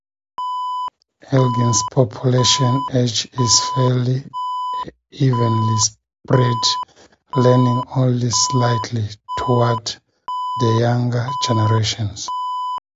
Elgin's population age is fairly evenly spread, leaning only slightly toward the younger generations.